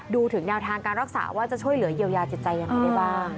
ถึงแนวทางการรักษาว่าจะช่วยเหลือเยียวยาจิตใจยังไงได้บ้าง